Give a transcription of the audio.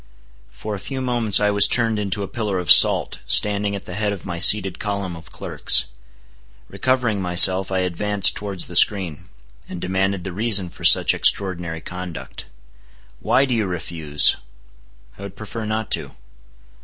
For a few moments I was turned into a pillar of salt, standing at the head of my seated column of clerks. Recovering myself, I advanced towards the screen, and demanded the reason for such extraordinary conduct. "Why do you refuse?" "I would prefer not to."